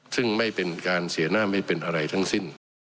ซึ่งไม่เป็นการเสียหน้าไม่เป็นอะไรทั้งสิ้น